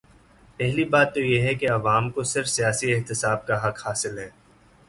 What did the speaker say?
پہلی بات تو یہ ہے کہ عوام کو صرف سیاسی احتساب کا حق حاصل ہے۔